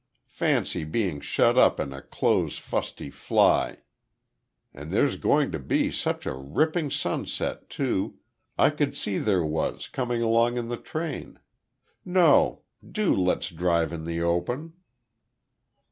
Fancy being shut up in a close, fusty fly! And there's going to be such a ripping sunset too, I could see there was coming along in the train. No. Do let's drive in the open."